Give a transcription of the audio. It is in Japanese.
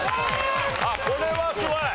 あっこれはすごい。